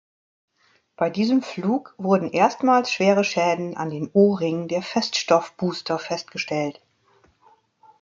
Bei diesem Flug wurden erstmals schwere Schäden an den O-Ringen der Feststoffbooster festgestellt.